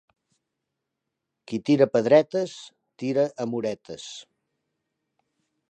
Qui tira pedretes, tira amoretes.